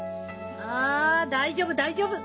あ大丈夫大丈夫！